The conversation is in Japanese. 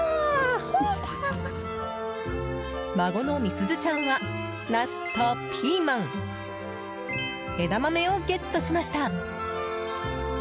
孫の実鈴ちゃんはナスとピーマン、枝豆をゲットしました。